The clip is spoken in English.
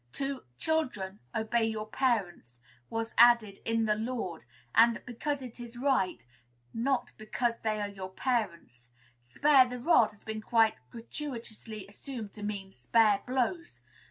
To "Children, obey your parents," was added "in the Lord," and "because it is right," not "because they are your parents." "Spare the rod" has been quite gratuitously assumed to mean "spare blows."